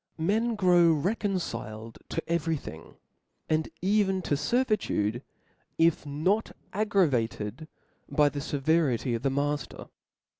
Men grow reconciled to every thing, and even to fcrvitude, if not aggravated by the feverity of the xnafter.